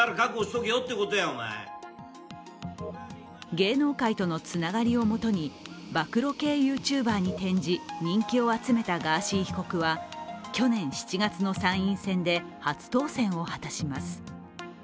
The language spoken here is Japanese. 芸能界とのつながりをもとに暴露系ユーチューバーに転じ人気を集めたガーシー被告は去年７月の参院選で初当選を果たします。